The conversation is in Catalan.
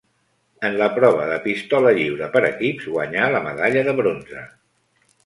En la prova de Pistola lliure per equips guanyà la medalla de bronze.